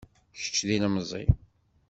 Kečč d ilemẓi.